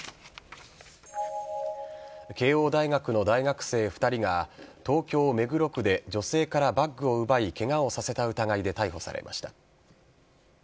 慶応大学の大学生２人が東京・目黒区で女性からバッグを奪いケガをさせた疑いで逮捕されました。